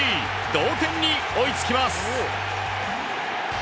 同点に追いつきます。